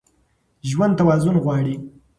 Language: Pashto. ژوند توازن غواړي.